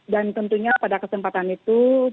dan tentunya pada kesempatan itu pemerintah sri lanka